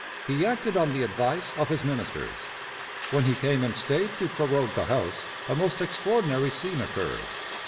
He acted on the advice of his ministers. When he came in state to prorogue the House, a most extraordinary scene occurred.